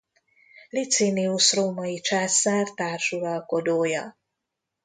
Licinius római császár társuralkodója.